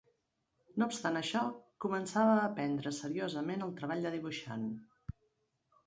No obstant això, començava a prendre seriosament el treball de dibuixant.